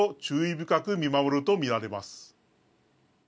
深く見守ると見られます。